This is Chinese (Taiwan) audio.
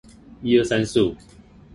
中山青年路口西北側